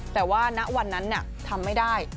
แต่ว่าณวันนั้นทำไม่ได้